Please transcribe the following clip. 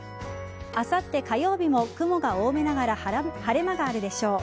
あさって火曜日も雲が多めながら晴れ間があるでしょう。